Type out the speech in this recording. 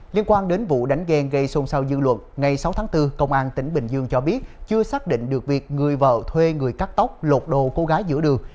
liên quan đến vụ đánh ghe gây xôn xao dư luận ngày sáu tháng bốn công an tỉnh bình dương cho biết chưa xác định được việc người vợ thuê người cắt tóc lột đồ cô gái giữa đường